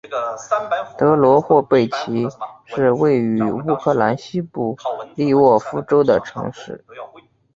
德罗霍贝奇是位于乌克兰西部利沃夫州的城市。